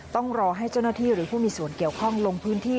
ต้องรอให้เจ้าหน้าที่หรือผู้มีส่วนเกี่ยวข้องลงพื้นที่